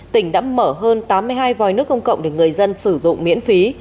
tỉnh đã mở hơn tám mươi hai vòi nước công cộng để người dân sử dụng miễn phí